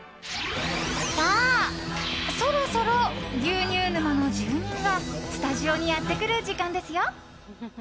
さあ、そろそろ牛乳沼の住人がスタジオにやってくる時間ですよ。